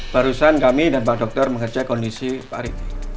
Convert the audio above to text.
barusan kami dan pak dokter mengecek kondisi pak riti